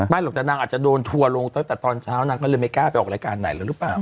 ไม่หรอกนะนางอาจจะโดนถั่วลงตอนเช้านางก็เลยไม่กล้าไปออกรายการไหนแล้วหรือเปล่า